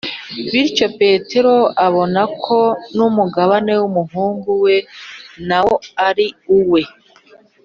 bityo petero abona ko n’umugabane w’umuhungu we nawo ari uwe.